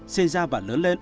sinh ra và lớn lên